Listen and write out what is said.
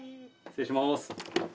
失礼します。